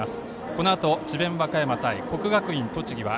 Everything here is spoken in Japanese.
このあと智弁和歌山対国学院栃木は